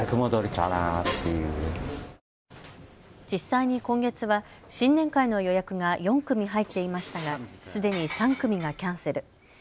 実際に今月は新年会の予約が４組入っていましたがすでに３組がキャンセル。